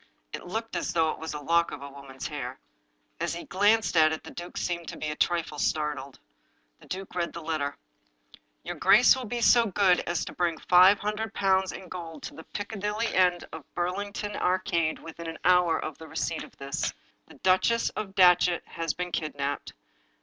It looked as though it was a lock of a woman's hair. As he glanced at it the duke seemed to be a trifle startled. The duke read the letter: " Your grace will be so good as to bring five hundred pounds in gold to the Piccadilly end of the Burlington 276 The Lost Duchess Arcade within an hour of the receipt of this. The Duchess of Datchet has been kidnaped.